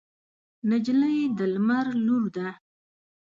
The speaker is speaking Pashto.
نجلۍ د لمر لور ده.